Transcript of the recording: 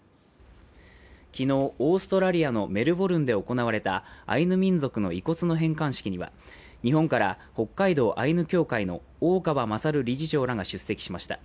昨日、オーストラリアのメルボルンで行われたアイヌ民族の遺骨の返還式には日本から、北海道アイヌ協会の大川勝理事長らが出席しました。